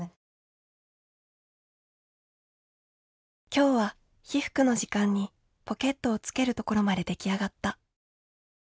「今日は被服の時間にポケットをつけるところまで出来上がった。